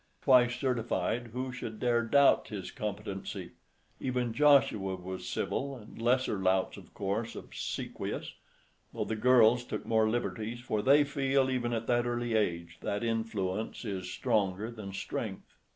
Twice certified, who should dare doubt his competency? Even Joshua was civil, and lesser louts of course obsequious; though the girls took more liberties, for they feel even at that early age, that influence is stronger than strength.